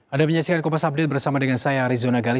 ada penyaksikan kompas update bersama dengan saya arizona gali